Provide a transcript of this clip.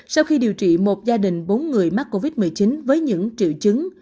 sau khi điều trị một gia đình bốn người mắc covid một mươi chín với những triệu chứng